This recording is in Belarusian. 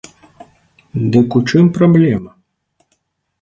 Дык у чым праблема?